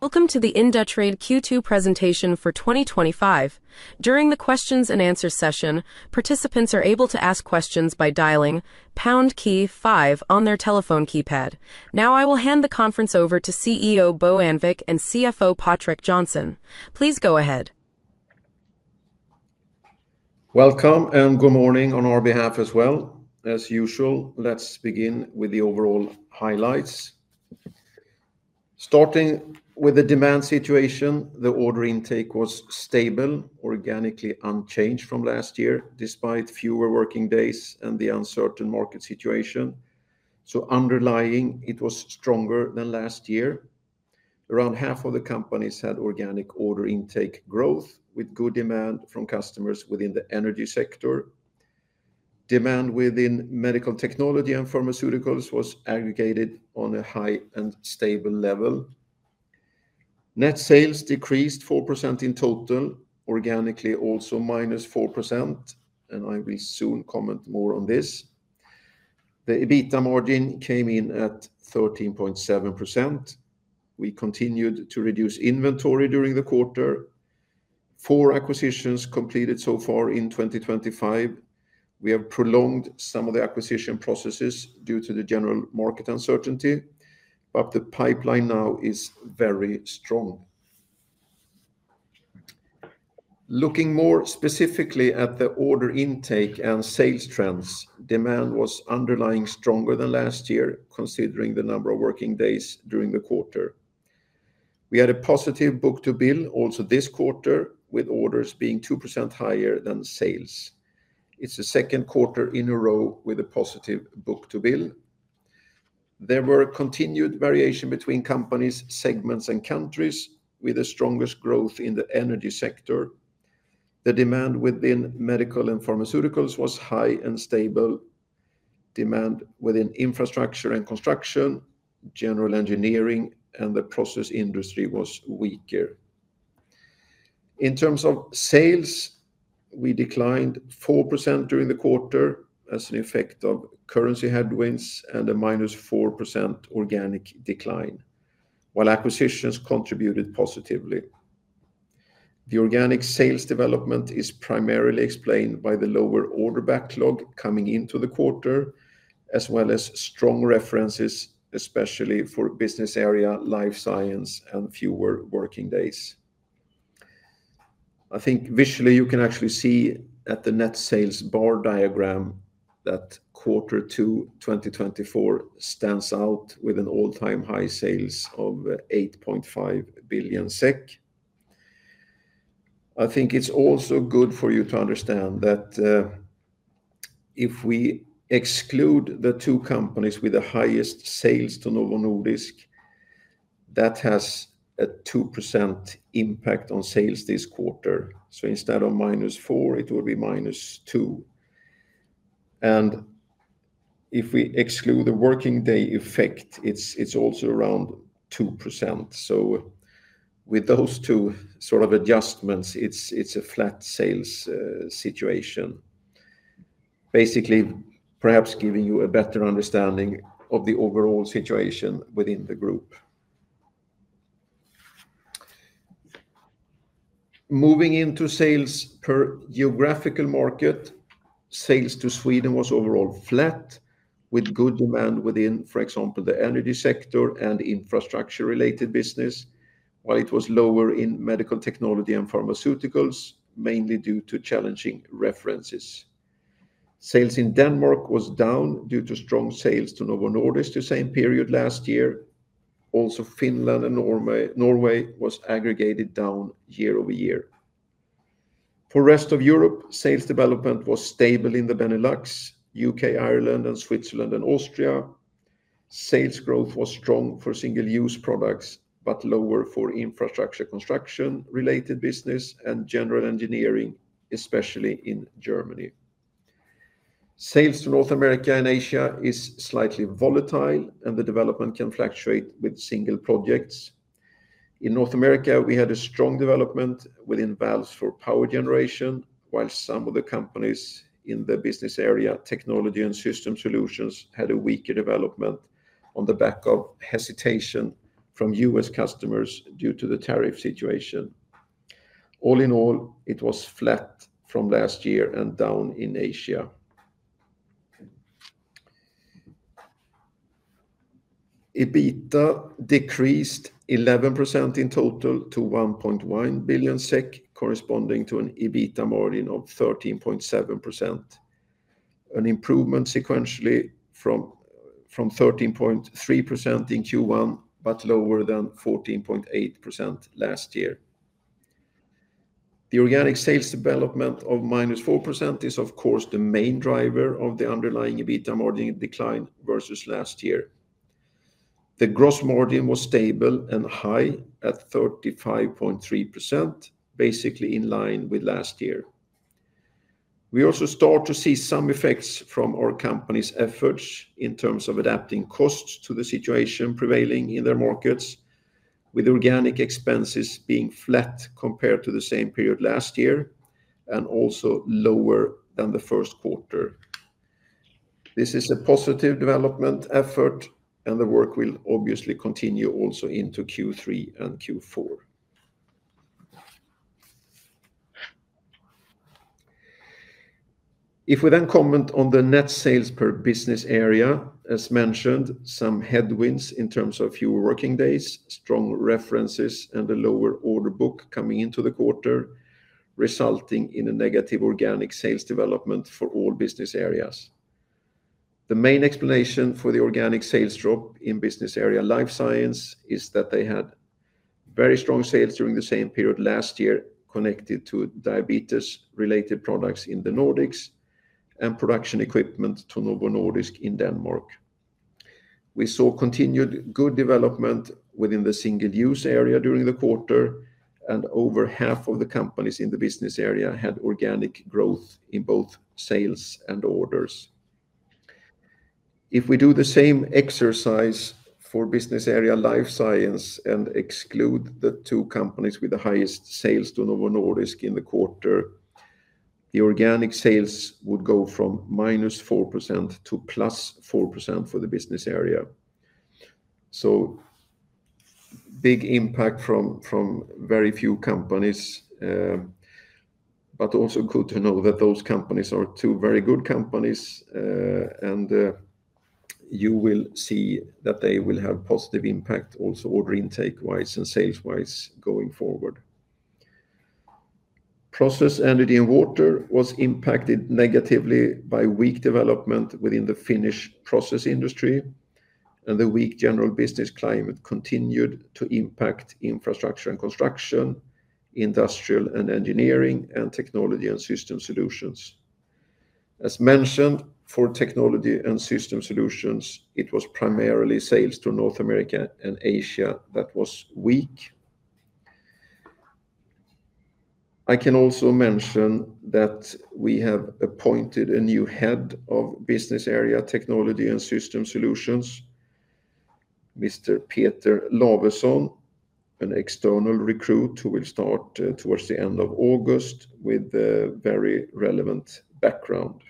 Welcome to the Inductrad Q2 Presentation for 2025. During the questions and answer session, participants are able to ask questions by dialing key 5 on their telephone keypad. Now I will hand the conference over to CEO, Bo Anvik and CFO, Patrick Johnson. Please go ahead. Welcome, and good morning on our behalf as well. As usual, let's begin with the overall highlights. Starting with the demand situation, the order intake was stable, organically unchanged from last year despite fewer working days and the uncertain market situation. So underlying, it was stronger than last year. Around half of the companies had organic order intake growth with good demand from customers within the energy sector. Demand within medical technology and pharmaceuticals was aggregated on a high and stable level. Net sales decreased 4% in total, organically also minus 4%, and I will soon comment more on this. The EBITA margin came in at 13.7%. We continued to reduce inventory during the quarter. Four acquisitions completed so far in 2025. We have prolonged some of the acquisition processes due to the general market uncertainty, but the pipeline now is very strong. Looking more specifically at the order intake and sales trends, demand was underlying stronger than last year considering the number of working days during the quarter. We had a positive book to bill also this quarter with orders being 2% higher than sales. It's the second quarter in a row with a positive book to bill. There were continued variation between companies, segments and countries with the strongest growth in the energy sector. The demand within medical and pharmaceuticals was high and stable. Demand within infrastructure and construction, general engineering and the process industry was weaker. In terms of sales, we declined 4% during the quarter as an effect of currency headwinds and a minus 4% organic decline, while acquisitions contributed positively. The organic sales development is primarily explained by the lower order backlog coming into the quarter as well as strong references, especially for business area, life science and fewer working days. I think visually, you can actually see at the net sales bar diagram that quarter two twenty twenty four stands out with an all time high sales of 8,500,000,000.0 SEK. I think it's also good for you to understand that if we exclude the two companies with the highest sales to Novo Nordisk, that has a 2% impact on sales this quarter. So instead of minus four, it will be minus two. And if we exclude the working day effect, it's it's also around 2%. So with those two sort of adjustments, it's it's a flat sales situation. Basically, perhaps giving you a better understanding of the overall situation within the group. Moving into sales per geographical market. Sales to Sweden was overall flat with good demand within, for example, the energy sector and infrastructure related business, while it was lower in medical technology and pharmaceuticals, mainly due to challenging references. Sales in Denmark was down due to strong sales to Novo Nordisk the same period last year. Also Finland and Norway was aggregated down year over year. For rest of Europe, sales development was stable in The Benelux, UK, Ireland and Switzerland and Austria. Sales growth was strong for single use products, but lower for infrastructure construction related business and general engineering, especially in Germany. Sales to North America and Asia is slightly volatile and the development can fluctuate with single projects. In North America, we had a strong development within valves for power generation, while some of the companies in the business area, technology and system solutions, had a weaker development on the back of hesitation from U. S. Customers due to the tariff situation. All in all, it was flat from last year and down in Asia. EBITDA decreased 11% in total to 1,100,000,000.0 SEK corresponding to an EBITA margin of 13.7%, an improvement sequentially from 13.3% in Q1, but lower than 14.8% last year. The organic sales development of minus 4% is, of course, the main driver of the underlying EBITDA margin decline versus last year. The gross margin was stable and high at 35.3%, basically in line with last year. We also start to see some effects from our company's efforts in terms of adapting costs to the situation prevailing in their markets, with organic expenses being flat compared to the same period last year and also lower than the first quarter. This is a positive development effort and the work will obviously continue also into Q3 and Q4. If we then comment on the net sales per business area, as mentioned, some headwinds in terms of fewer working days, strong references and a lower order book coming into the quarter, resulting in a negative organic sales development for all business areas. The main explanation for the organic sales drop in Business Area Life Science is that they had very strong sales during the same period last year connected to diabetes related products in The Nordics and production equipment to Novo Nordisk in Denmark. We saw continued good development within the single use area during the quarter, and over half of the companies in the business area had organic growth in both sales and orders. If we do the same exercise for business area life science and exclude the two companies with the highest sales to Novo Nordisk in the quarter, the organic sales would go from minus 4% to plus 4% for the business area. So big impact from from very few companies, but also good to know that those companies are two very good companies, and you will see that they will have positive impact also order intake wise and sales wise going forward. Processed Energy and Water was impacted negatively by weak development within the Finnish process industry, and the weak general business climate continued to impact infrastructure and construction, industrial and engineering and technology and system solutions. As mentioned, for technology and system solutions, it was primarily sales to North America and Asia that was weak. I can also mention that we have appointed a new head of business area technology and system solutions, mister Peter Larveson, an external recruit who will start towards the August with a very relevant background.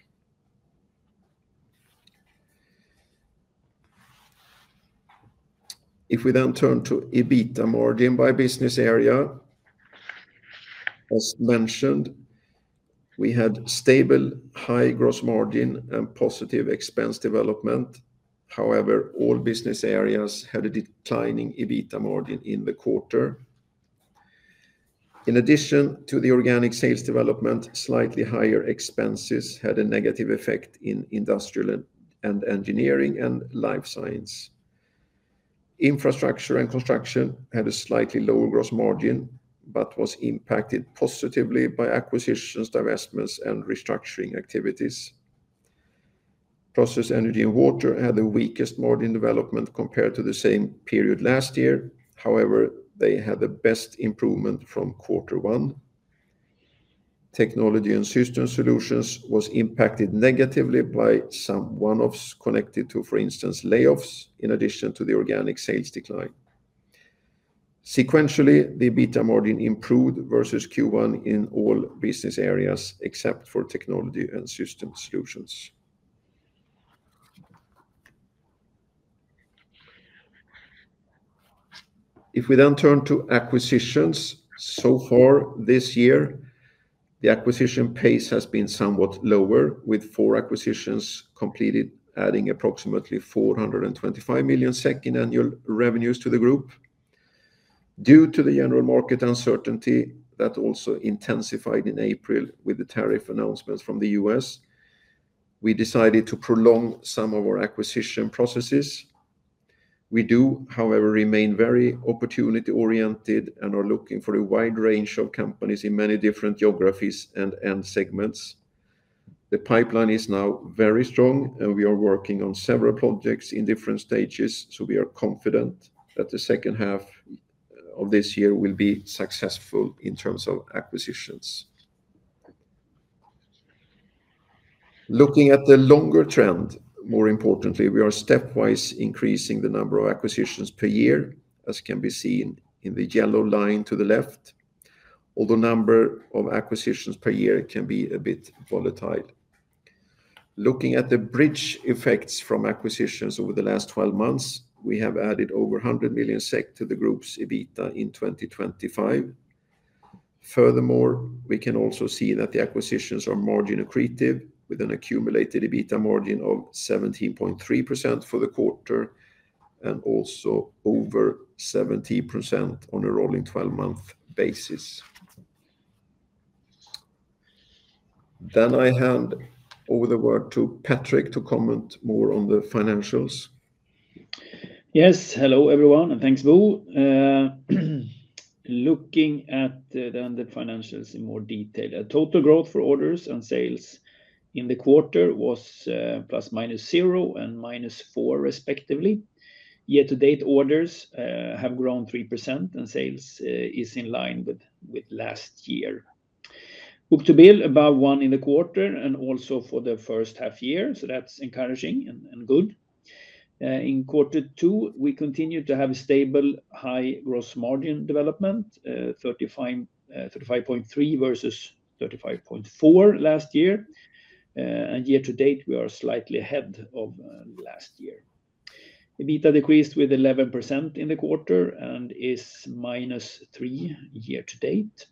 If we then turn to EBITA margin by business area, as mentioned, we had stable high gross margin and positive expense development. However, all business areas had a declining EBITA margin in the quarter. In addition to the organic sales development, slightly higher expenses had a negative effect in industrial and engineering and life science. Infrastructure and construction had a slightly lower gross margin, but was impacted positively by acquisitions, divestments and restructuring activities. Process Energy and Water had the weakest margin development compared to the same period last year. However, they had the best improvement from quarter one. Technology and Systems Solutions was impacted negatively by some one offs connected to, for instance, layoffs in addition to the organic sales decline. Sequentially, the EBITA margin improved versus q one in all business areas except for Technology and Systems Solutions. If we then turn to acquisitions. So far this year, the acquisition pace has been somewhat lower with four acquisitions completed, adding approximately million in annual revenues to the group. Due to the general market uncertainty that also intensified in April with the tariff announcements from The U. S, we decided to prolong some of our acquisition processes. We do, however, remain very opportunity oriented and are looking for a wide range of companies in many different geographies and end segments. The pipeline is now very strong, and we are working on several projects in different stages. So we are confident that the second half of this year will be successful in terms of acquisitions. Looking at the longer trend, more importantly, we are stepwise increasing the number of acquisitions per year, as can be seen in the yellow line to the left, although number of acquisitions per year can be a bit volatile. Looking at the bridge effects from acquisitions over the last twelve months, we have added over 100,000,000 SEK to the group's EBITDA in 2025. Furthermore, we can also see that the acquisitions are margin accretive with an accumulated EBITDA margin of 17.3% for the quarter and also over 70% on a rolling twelve month basis. Then I hand over the word to Patrick to comment more on the financials. Yes. Hello, everyone, and thanks, Vu. Looking at financials in more detail. Total growth for orders and sales in the quarter was plus minus zero and minus four, respectively. Year to date orders have grown 3% and sales is in line with last year. Book to bill, above one in the quarter and also for the first half year, so that's encouraging and good. In quarter two, we continue to have a stable high gross margin development, 35.3% versus 35.4 last year. And year to date, we are slightly ahead of last year. EBITDA decreased with 11% in the quarter and is minus three year to date.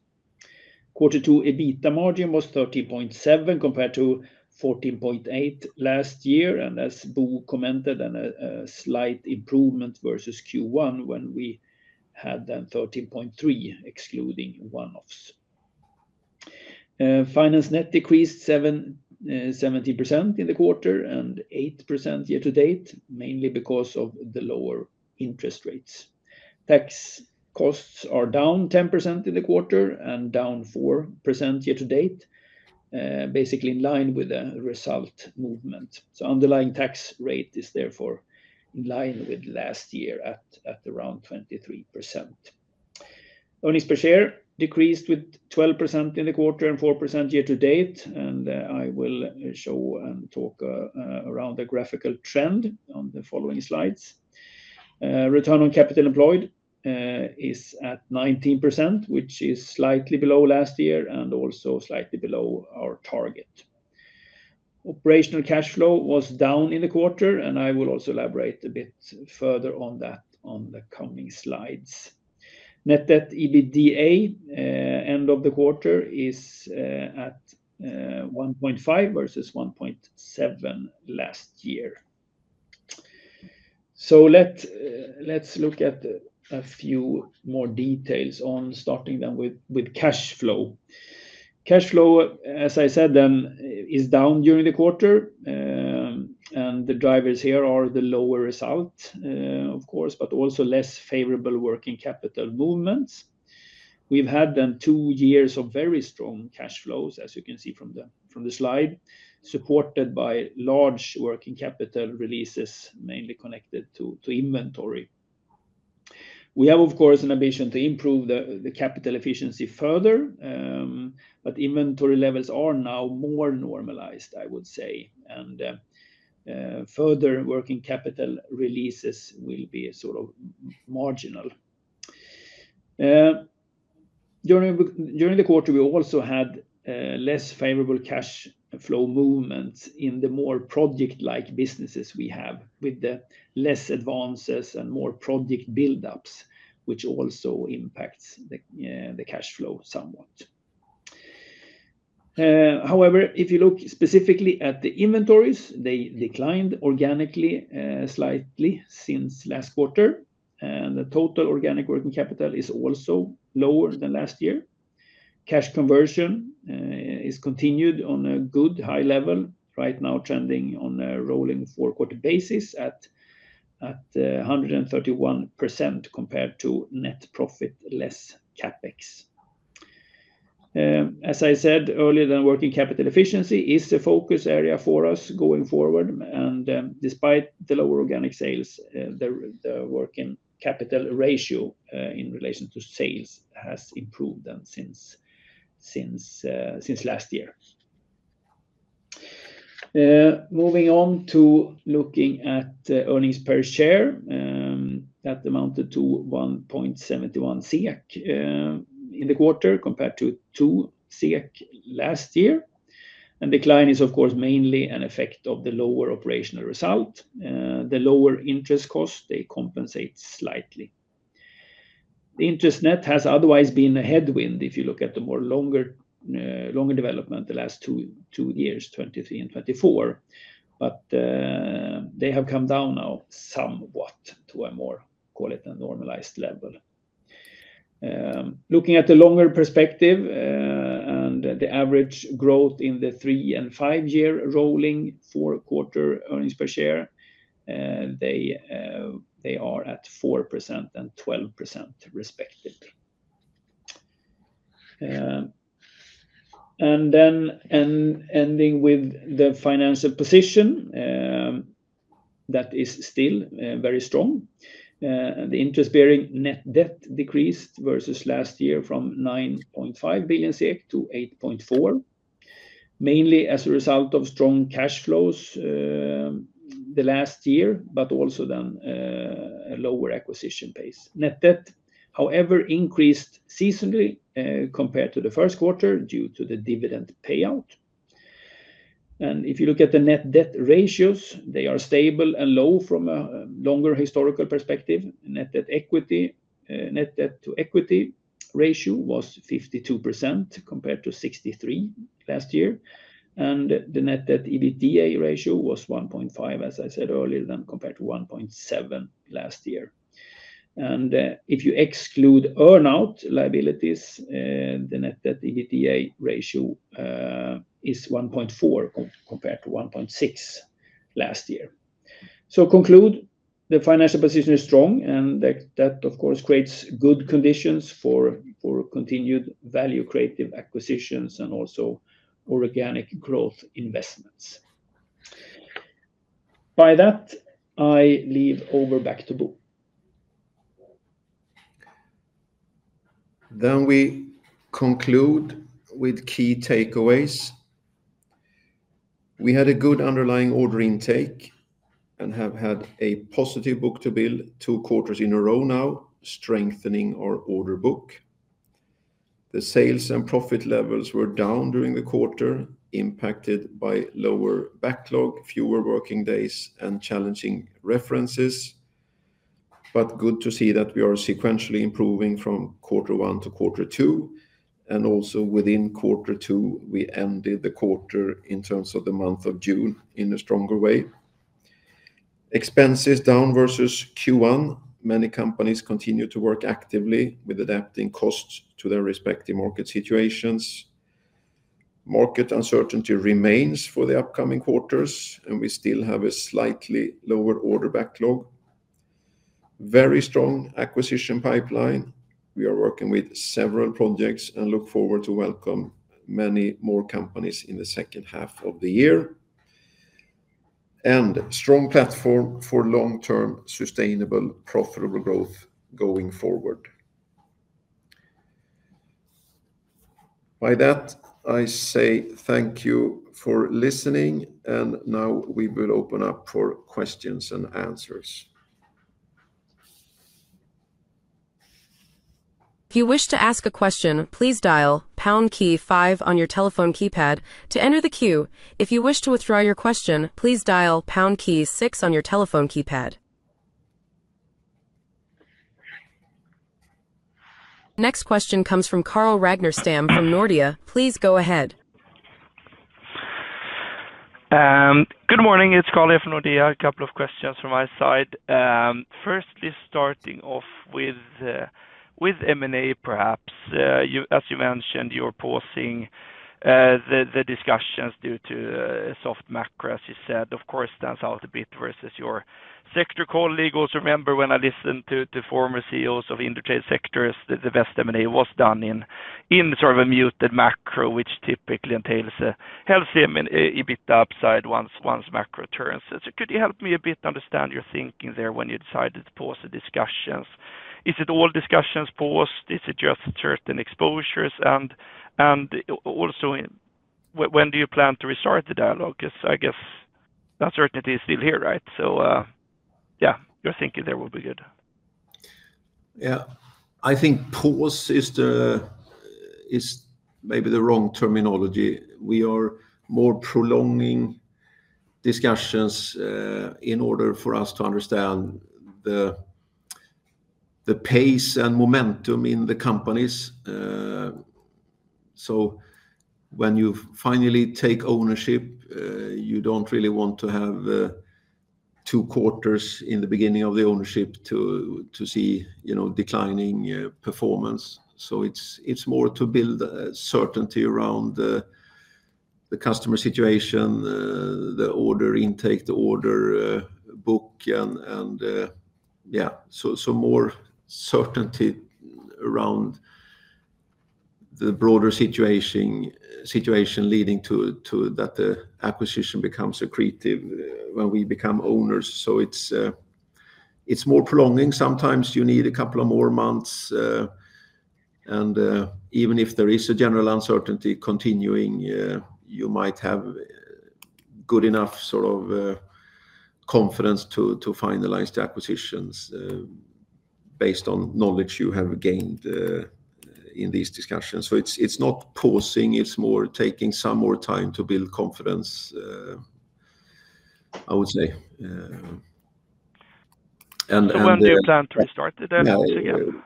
Quarter two EBITDA margin was 13.7 compared to 14.8 last year, and as Bou commented, a slight improvement versus Q1 when we had then 13.3 excluding one offs. Finance net decreased 70% in the quarter and 8% year to date, mainly because of the lower interest rates. Tax costs are down 10% in the quarter and down 4% year to date, basically in line with the result movement. So underlying tax rate is therefore in line with last year at around 23%. Earnings per share decreased with 12% in the quarter and 4% year to date. And I will show and talk around the graphical trend on the following slides. Return on capital employed is at 19%, which is slightly below last year and also slightly below our target. Operational cash flow was down in the quarter, and I will also elaborate a bit further on that on the coming slides. Net debt to EBITDA end of the quarter is at 1.5 versus 1.7 last year. So let's look at a few more details on starting then with cash flow. Cash flow, as I said then, is down during the quarter. And the drivers here are the lower results, of course, but also less favorable working capital movements. We've had then two years of very strong cash flows, as you can see from the slide, supported by large working capital releases mainly connected to inventory. We have, of course, an ambition to improve the the capital efficiency further, but inventory levels are now more normalized, I would say. And further working capital releases will be sort of marginal. During the quarter, we also had less favorable cash flow movements in the more project like businesses we have with less advances and more project buildups, which also impacts the cash flow somewhat. However, if you look specifically at the inventories, they declined organically slightly since last quarter. And the total organic working capital is also lower than last year. Cash conversion is continued on a good high level right now trending on a rolling four quarter basis at 131% compared to net profit less CapEx. As I said earlier, working capital efficiency is a focus area for us going forward. And despite the lower organic sales, the working capital ratio in relation to sales has improved since last year. Moving on to looking at earnings per share, that amounted to 1.71 in the quarter compared to SEK two last year. And decline is, of course, mainly an effect of the lower operational result. The lower interest cost, they compensate slightly. The interest net has otherwise been a headwind if you look at the more longer, longer development the last two two years, twenty three and '24. But, they have come down now somewhat to a more, call it, a normalized level. Looking at the longer perspective and the average growth in the three and five year rolling four quarter earnings per share, they are at 412%, respectively. And then ending with the financial position, that is still very strong. The interest bearing net debt decreased versus last year from 9,500,000,000.0 to 8,400,000,000.0, mainly as a result of strong cash flows the last year, but also then a lower acquisition pace. Net debt, however, increased seasonally compared to the first quarter due to the dividend payout. And if you look at the net debt ratios, they are stable and low from a longer historical perspective. Net debt to equity ratio was 52% compared to 63% last year. And the net debt to EBITDA ratio was 1.5, as I said earlier, then compared to 1.7 last year. And if you exclude earn out liabilities, the net debt to EBITDA ratio is 1.4 compared to 1.6 last year. So conclude, the financial position is strong and that, of course, creates good conditions for continued value creative acquisitions and also organic growth investments. By that, I leave over back to Bo. Then we conclude with key takeaways. We had a good underlying order intake and have had a positive book to bill two quarters in a row now, strengthening our order book. The sales and profit levels were down during the quarter, impacted by lower backlog, fewer working days and challenging references. But good to see that we are sequentially improving from quarter one to quarter two. And also within quarter two, we ended the quarter in terms of the month of June in a stronger way. Expenses down versus Q1, many companies continue to work actively with adapting costs to their respective market situations. Market uncertainty remains for the upcoming quarters, and we still have a slightly lower order backlog. Very strong acquisition pipeline. We are working with several projects and look forward to welcome many more companies in the second half of the year and strong platform for long term sustainable profitable growth going forward. By that, I say thank you for listening. And now we will open up for questions and answers. Next question comes from Karl Ragnarstam from Nordea. It's Karl here from Nordea. A couple of questions from my side. Firstly, starting off with M and A perhaps. As you mentioned, you're pausing the discussions due to soft macro, as you said, of course, stands out a bit versus your sector colleague. Also remember when I listened to former CEOs of the interchange sectors, the best M and A was done in sort of a muted macro, which typically entails healthy EBITDA upside once macro turns. So could you help me bit understand your thinking there when you decided to pause the discussions? Is it all discussions paused? Is it just certain exposures? And also, when do you plan to restart the dialogue? Because I guess uncertainty is still here. Right? So, yeah, your thinking there will be good. Yeah. I think pause is the is maybe the wrong terminology. We are more prolonging discussions, in order for us to understand the the pace and momentum in the companies. So when you finally take ownership, you don't really want to have two quarters in the beginning of the ownership to to see, you know, declining performance. So it's it's more to build certainty around the customer situation, the order intake, the order book, and and yeah. So so more certainty around the broader situation situation leading to to that acquisition becomes accretive when we become owners. So it's it's more prolonging. Sometimes you need a couple of more months. And even if there is a general uncertainty continuing, you might have good enough sort of confidence to finalize the acquisitions based on knowledge you have gained in these discussions. So it's it's not pausing. It's more taking some more time to build confidence, I would say. And when do you plan to restart the developments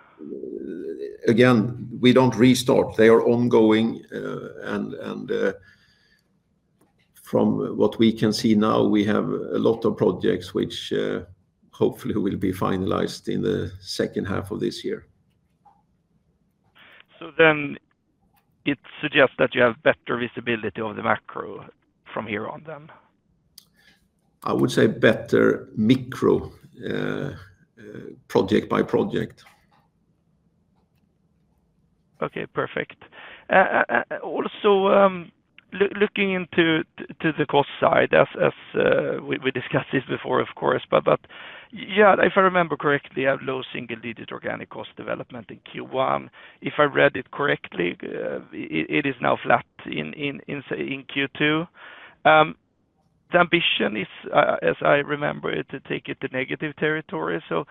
Again, we don't restart. They are ongoing. And from what we can see now, we have a lot of projects, which hopefully will be finalized in the second half of this year. So then it suggests that you have better visibility of the macro from here on then? I would say better micro project by project. Okay. Perfect. Also looking the cost side, as we discussed this before, of course, but yes, if I remember correctly, have low single digit organic cost development in Q1. If I read it correctly, it is now flat in Q2. The ambition is, as I remember it, to take it to negative territory. So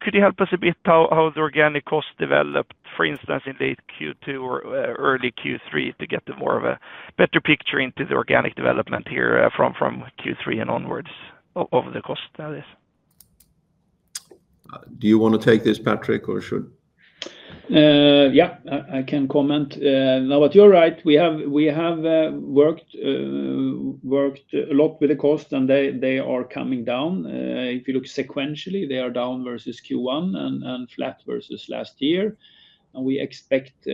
could you help us a bit how the organic cost developed, for instance, in late Q2 or early Q3 to get to more of a better picture into the organic development here from Q3 and onwards of the cost, Thales? Do you want to take this, Patrick, or should? Yes, I can comment. Now, but you're right, we have worked a lot with the cost, and they are coming down. If you look sequentially, they are down versus Q1 and flat versus last year. And we expect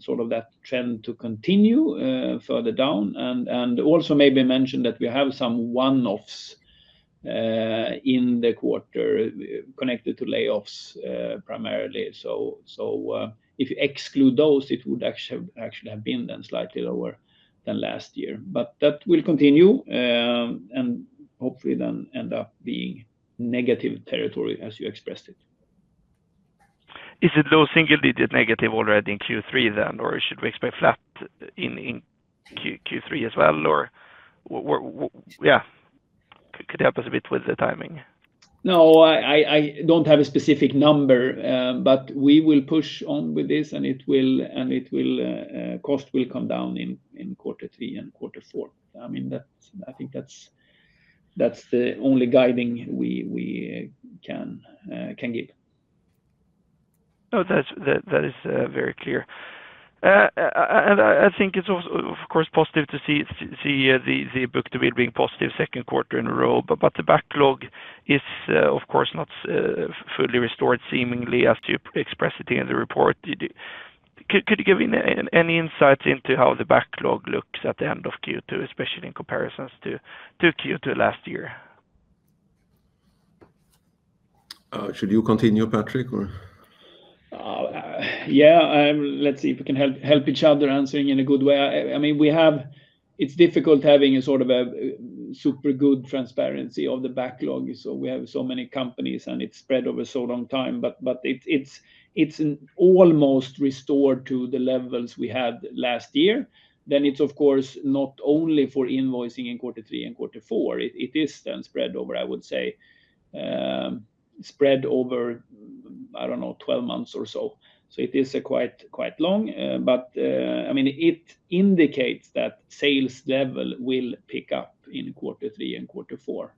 sort of that trend to continue further down. And also maybe mention that we have some one offs in the quarter connected to layoffs primarily. So if you exclude those, it would actually have been then slightly lower than last year. But that will continue, and hopefully then end up being negative territory as you expressed it. Is it low single digit negative already in Q3 then? Or should we expect flat in Q3 as well? Or yes, could you help us a bit with the timing? No. I don't have a specific number, but we will push on with this, and it will cost will come down in quarter three and quarter four. I mean, that's I think that's the only guiding we can give. That is very clear. And I think it's, of course, positive to see the book to bill being positive second quarter in a row, but the backlog is, of course, not fully restored seemingly as you expressed it in the report. Could you give any insights into how the backlog looks at the end of Q2, especially in comparisons Q2 last year? Should you continue, Patrick? Or Yes. Let's see if we can help each other answering in a good way. I mean, we have it's difficult having a sort of a super good transparency of the backlog. So we have so many companies, and it's spread over so long time. But but it's it's it's almost restored to the levels we had last year. Then it's, of course, not only for invoicing in quarter three and quarter four. It is then spread over, I would say, spread over, I don't know, twelve months or so. So it is quite long. But, I mean, it indicates that sales level will pick up in quarter three and quarter four.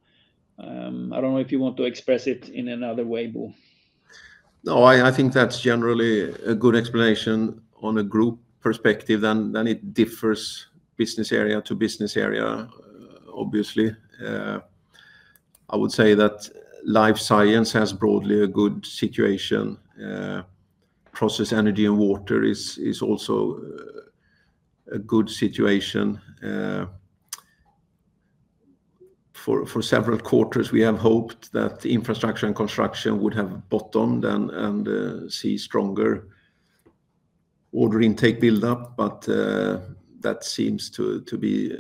I don't know if you want to express it in another way, Bo. No. I I think that's generally a good explanation on a group perspective, and then it differs business area to business area, obviously. I would say that life science has broadly a good situation. Process energy and water is is also a good situation. For for several quarters, we have hoped that infrastructure and construction would have bottomed and and see stronger order intake buildup, but that seems to be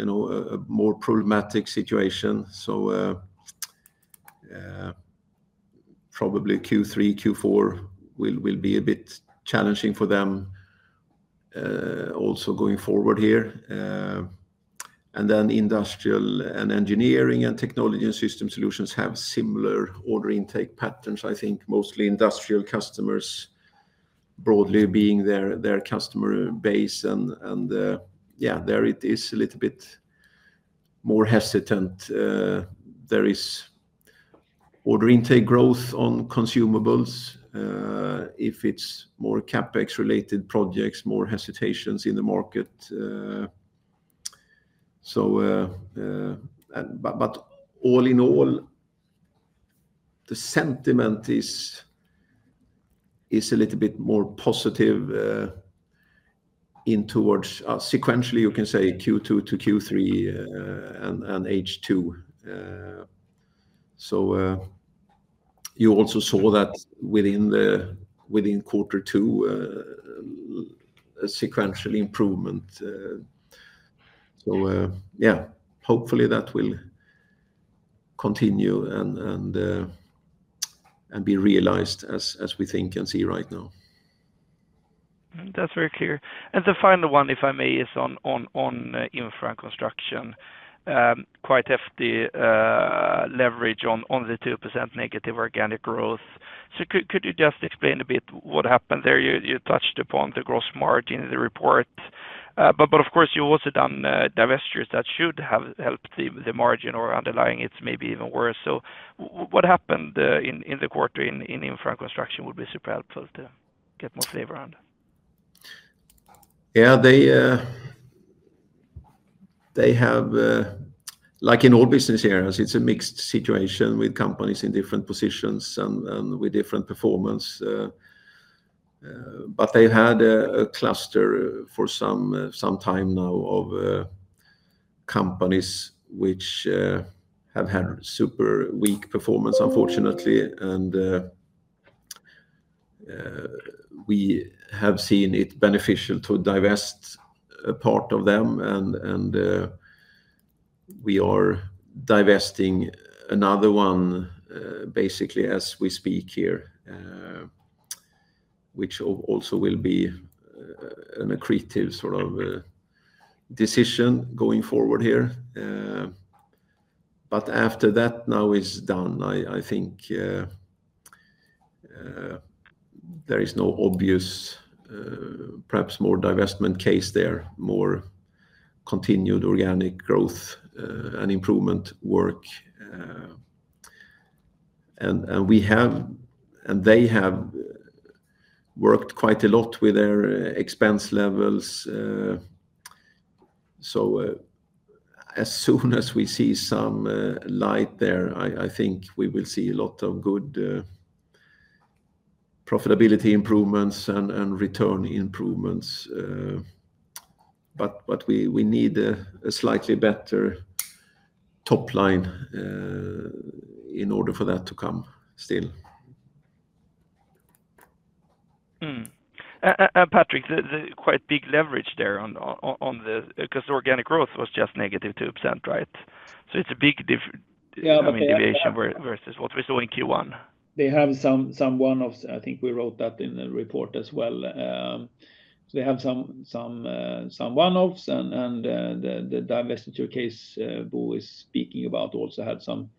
a more problematic situation. So probably q three, q four will will be a bit challenging for them also going forward here. And then industrial and engineering and technology and system solutions have similar order intake patterns, think, mostly industrial customers broadly being their customer base. And yes, there it is a little bit more hesitant. There is order intake growth on consumables if it's more CapEx related projects, more hesitations in the market. So but all in all, the sentiment is is a little bit more positive in towards sequentially, you can say q two to q three and and h two. So you also saw that within the within quarter two, a sequential improvement. So, yeah, hopefully, that will continue and be realized as we think and see right now. That's very clear. And the final one, if I may, is on Infra and Construction. Quite hefty leverage on the 2% negative organic growth. So could you just explain a bit what happened there? You touched upon the gross margin in the report. But of course, you've also done divestitures that should have helped the margin or underlying it's maybe even worse. So what happened in the quarter in Infra Construction would be super helpful to get more flavor on that. Yeah. They have like in all business areas, it's a mixed situation with companies in different positions and and with different performance. But they had a cluster for some some time now of companies which have had super weak performance, unfortunately, and we have seen it beneficial to divest a part of them, and we are divesting another one basically as we speak here, which also will be an accretive sort of decision going forward here. But after that, now it's done. I I think there is no obvious, perhaps, more divestment case there, more continued organic growth and improvement work. And we have and they have worked quite a lot with their expense levels. So as soon as we see some light there, I think we will see a lot of good profitability improvements and return improvements. But we need a slightly better top line in order for that to come still. Patrick, the quite big leverage there on the because organic growth was just negative 2%, right? So it's a big deviation versus what we saw in Q1. They have some one offs. I think we wrote that in the report as well. They have some some one offs and and the the divestiture case, Bo is speaking about also had some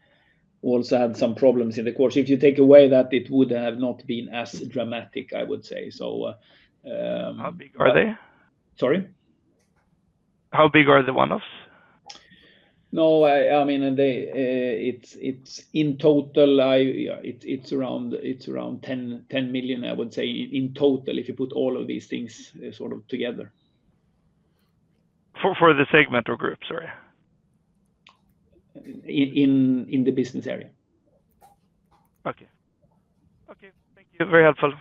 also had some problems in the course. If you take away that, it would have not been as dramatic, I would say. So How big are they? Sorry? How big are the one offs? No. I I mean, they it's it's in total, I yeah. It's it's around it's around $1,010,000,000, I would say, in total if you put all of these things sort of together. For for the segment or group? Sorry. In in the business area. Okay. Okay. Thank you. Very helpful.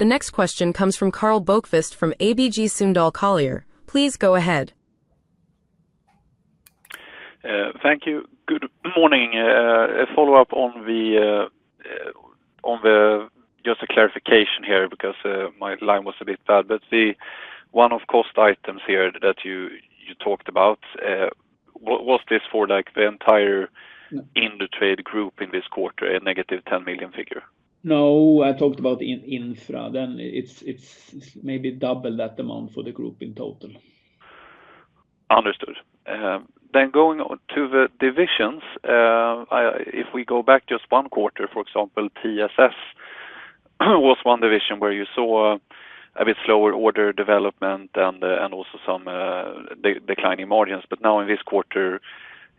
The next question comes from Karl Bokvist from ABG Sundal Collier. Please go ahead. Thank you. Good morning. A follow-up on the just a clarification here because my line was a bit bad. But the one off cost items here that you talked about, what's this for like the entire IndoTrade group in this quarter, a negative 10,000,000 figure? No. I talked about infra. Then it's maybe double that amount for the group in total. Understood. Then going to the divisions. If we go back just one quarter, for example, TSS was one division where you saw a bit slower order development and also some declining margins. But now in this quarter,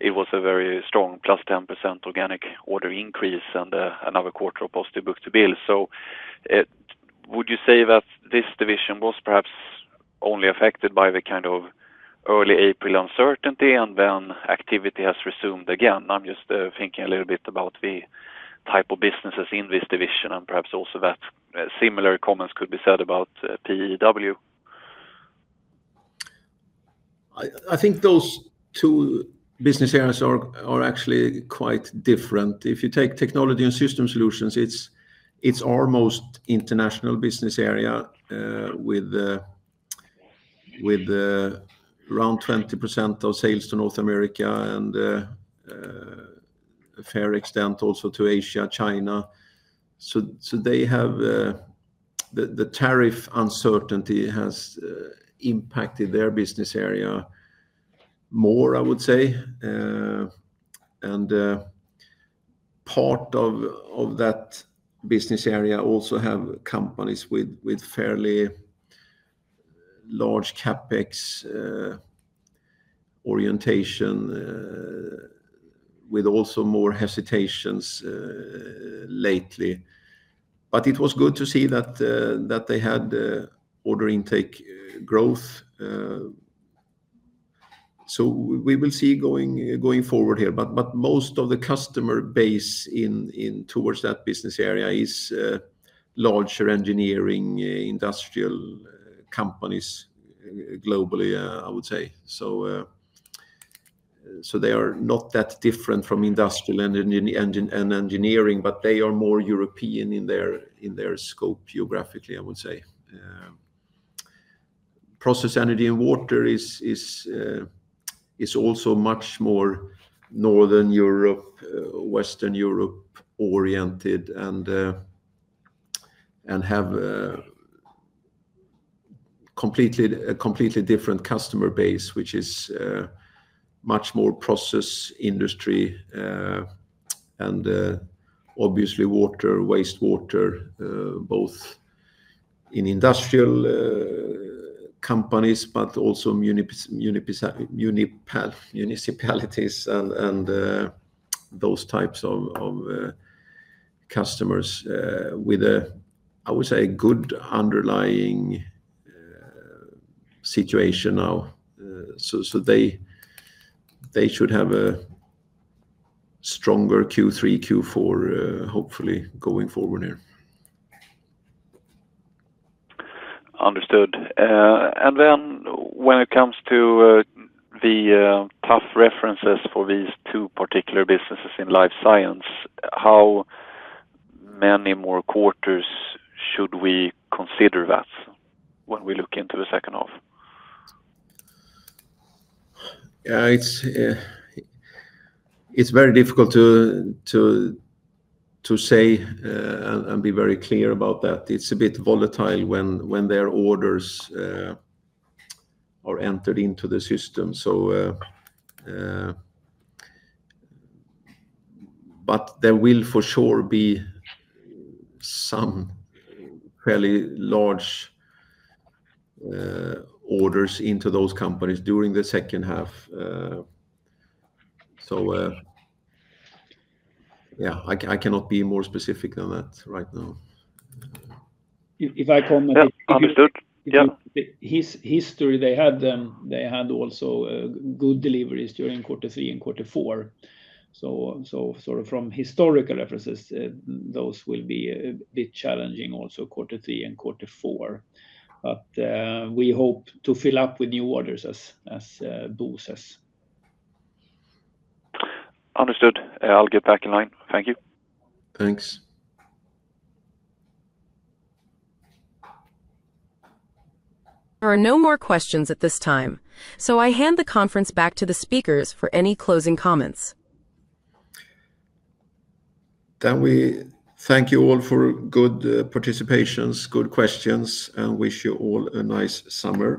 it was a very strong plus 10% organic order increase and another quarter of positive book to bill. So would you say that this division was perhaps only affected by the kind of early April uncertainty and then activity has resumed again? I'm just thinking a little bit about the type of businesses in this division and perhaps also that similar comments could be said about PGW? I think those two business areas are actually quite different. If you take Technology and System Solutions, it's our most international business area with with around 20% of sales to North America and a fair extent also to Asia, China. So so they have the the tariff uncertainty has impacted their business area more, I would say. And part of that business area also have companies with fairly large CapEx orientation with also more hesitations lately. But it was good to see that that they had order intake growth. So we will see going going forward here. But but most of the customer base in in towards that business area is larger engineering, industrial companies globally, I would say. So so they are not that different from industrial and in in and engineering, but they are more European in their in their scope geographically, I would say. Process energy and water is is also much more Northern Europe, Western Europe oriented and and have completely a completely different customer base, which is much more process industry and, obviously, water, wastewater, both in industrial companies, but also municipalities and and those types of of customers with a, I would say, good underlying situation now. So they should have a stronger Q3, Q4, hopefully, going forward here. Understood. And then when it comes to the tough references for these two particular businesses in Life Science, how many more quarters should we consider that when we look into the second half? Yes. It's very difficult to say and be very clear about that. It's a bit volatile when their orders are entered into the system. So but there will, for sure, be some fairly large orders into those companies during the second half. Yeah, I I cannot be more specific than that right now. If if I comment Understood. Yeah. His history, they had them they had also good deliveries during quarter three and quarter four. So so sort of from historical references, those will be a bit challenging also quarter three and quarter four. But, we hope to fill up with new orders as as, boosters. Understood. I'll get back in line. Thank you. Thanks. There are no more questions at this time. So I hand the conference back to the speakers for any closing comments. Then we thank you all for good participations, good questions and wish you all a nice summer.